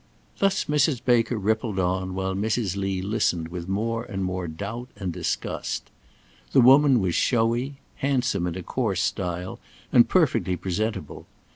Thus Mrs. Baker rippled on, while Mrs. Lee listened with more and more doubt and disgust. The woman was showy, handsome in a coarse style, and perfectly presentable.